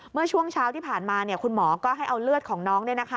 เมื่อช่วงเช้าที่ผ่านมาคุณหมอก็ให้เอาเลือดของน้อง